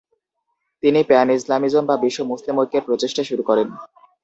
তিনি pan Islamism বা বিশ্ব মুসলিম ঐক্যের প্রচেষ্টা শুরু করেন।